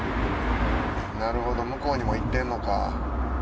なるほど向こうにも行ってるのか。